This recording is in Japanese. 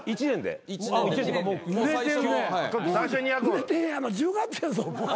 売れてへんやろ１０月やぞもう。